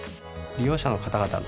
利用者の方々